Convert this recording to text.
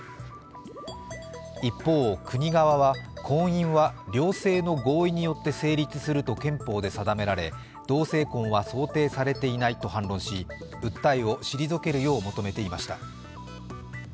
一方、国側は婚姻は両性の合意によって成立すると憲法で定められ、同性婚は想定されていないと反論し訴えを退けるよう求めていました。